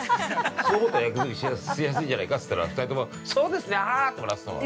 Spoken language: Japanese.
そう思ったら役作りしやすいんじゃないかっつったら、２人ともそうですね、アハハ！って笑ってたわ。